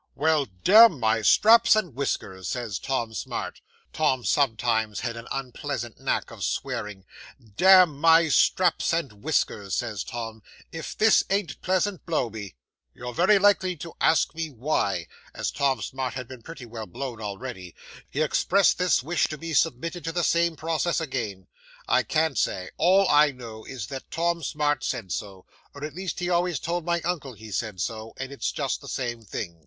'"Well, damn my straps and whiskers," says Tom Smart (Tom sometimes had an unpleasant knack of swearing) "damn my straps and whiskers," says Tom, "if this ain't pleasant, blow me!" 'You'll very likely ask me why, as Tom Smart had been pretty well blown already, he expressed this wish to be submitted to the same process again. I can't say all I know is, that Tom Smart said so or at least he always told my uncle he said so, and it's just the same thing.